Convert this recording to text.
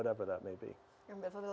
jika kita menjaga kehidupan yang menyenangkan